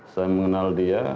saya mengenal dia